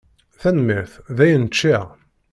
Tanemmirt, dayen ččiɣ.